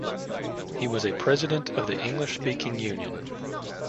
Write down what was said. He was a president of the English-Speaking Union.